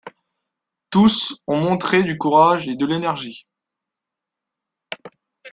Tous ont montré du courage et de l’énergie.